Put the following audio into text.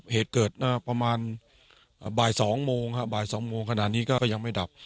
เหตุเกิดประมาณบ่าย๒โมงค่ะ